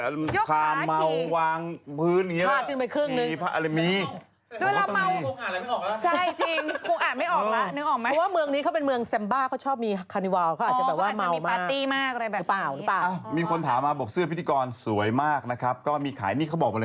ยกขาฉีเข้าใจได้นี่พี่ยกขาฉียังไง